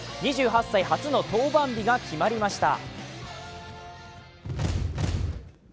２８歳初の登板日が決まりました。